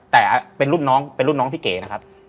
แต่เป็นรุ่นน้องเป็นรุ่นน้องที่เก๋นะครับ